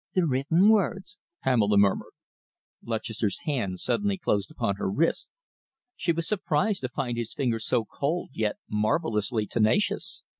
"The written words," Pamela murmured. Lutchester's hand suddenly closed upon her wrist. She was surprised to find his fingers so cold, yet marvellously tenacious.